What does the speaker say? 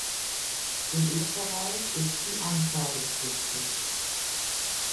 In Österreich ist sie anzeigepflichtig.